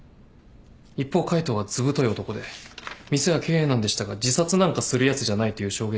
一方海藤はずぶとい男で店は経営難でしたが自殺なんかするやつじゃないという証言が多いんです。